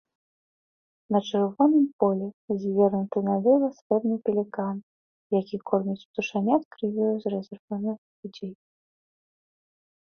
На чырвоным полі звернуты налева срэбны пелікан, які корміць птушанят крывёю з разарваных грудзей.